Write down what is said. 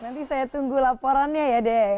nanti saya tunggu laporannya ya dek